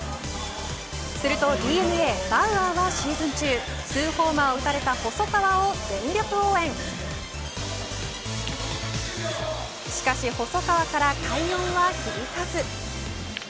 するとＤｅＮＡバウアーはシーズン中２ホーマーを打たれた細川を全力応援しかし細川から快音は響かず。